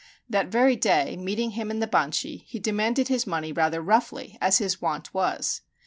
That very day, meeting him in the Banchi, he demanded his money rather roughly, as his wont was.